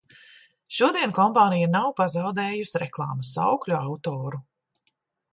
Šodien kompānija nav pazaudējusi reklāmas saukļu autoru.